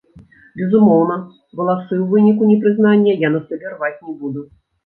Безумоўна, валасы ў выніку непрызнання я на сабе рваць не буду.